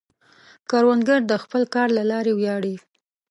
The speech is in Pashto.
کروندګر د خپل کار له لارې ویاړي